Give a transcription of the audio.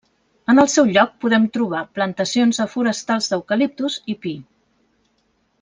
En el seu lloc podem trobar plantacions de forestals d'eucaliptus i pi.